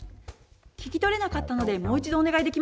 聞き取れなかったのでもう一度お願いできますか？